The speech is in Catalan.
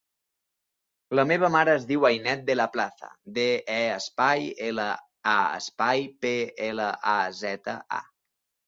La meva mare es diu Ainet De La Plaza: de, e, espai, ela, a, espai, pe, ela, a, zeta, a.